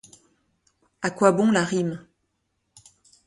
À quoi bon la rime?